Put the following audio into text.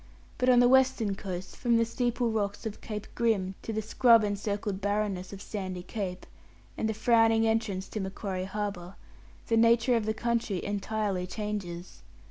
But on the western coast, from the steeple rocks of Cape Grim to the scrub encircled barrenness of Sandy Cape, and the frowning entrance to Macquarie Harbour, the nature of the country entirely changes.